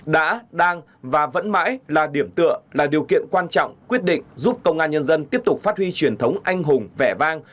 đã đang và vẫn mãi là điểm tựa là điều kiện quan trọng quyết định giúp công an nhân dân tiếp tục phát huy truyền thống anh hùng vẻ vang